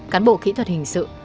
cán bộ kỹ thuật hình sự